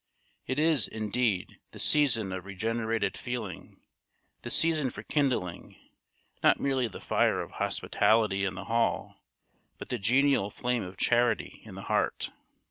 It is, indeed, the season of regenerated feeling the season for kindling, not merely the fire of hospitality in the hall, but the genial flame of charity in the heart.